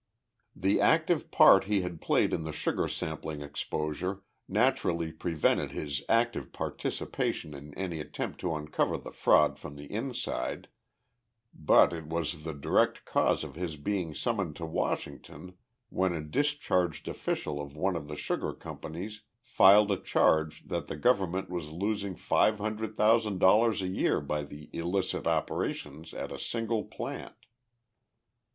The active part he had played in the sugar sampling exposure naturally prevented his active participation in any attempt to uncover the fraud from the inside, but it was the direct cause of his being summoned to Washington when a discharged official of one of the sugar companies filed a charge that the government was losing five hundred thousand dollars a year by the illicit operations at a single plant.